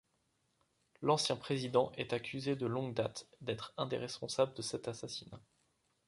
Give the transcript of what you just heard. L'ancien président est accusé de longue date d'être un des responsables de cet assassinat.